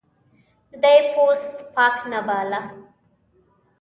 دی پوست پاک نه باله.